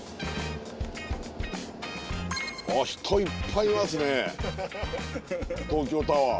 あっ人いっぱいいますね東京タワー。